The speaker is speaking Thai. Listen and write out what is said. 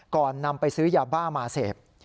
นำไปซื้อยาบ้ามาเสพ